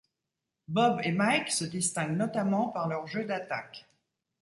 Bob et Mike se distinguent notamment par leur jeu d'attaque.